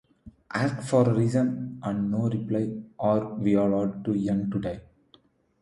Ask for reason, and no reply, are we all too young to die?